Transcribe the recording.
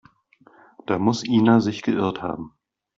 Da muss Ina sich geirrt haben.